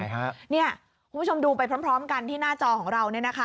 คุณผู้ชมดูไปพร้อมกันที่หน้าจอของเรา